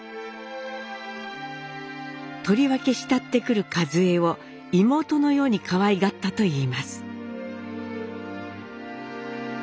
とりわけ慕ってくるカズエを妹のようにかわいがったといいます。